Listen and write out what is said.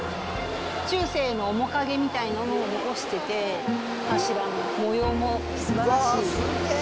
中世の面影みたいなものを残してて、柱の模様もすばらしい。